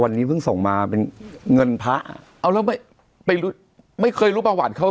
วันนี้เพิ่งส่งมาเป็นเงินพระเอาแล้วไปรู้ไม่เคยรู้ประวัติเขา